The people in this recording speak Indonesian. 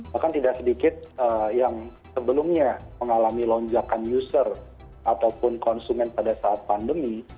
bahkan tidak sedikit yang sebelumnya mengalami lonjakan user ataupun konsumen pada saat pandemi